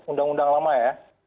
undang undang lama ya